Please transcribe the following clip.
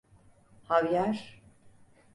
Havyar…